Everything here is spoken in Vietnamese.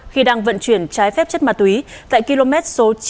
khi đang vận chuyển trái phép chất ma túy tại km số chín mươi bốn bốn trăm linh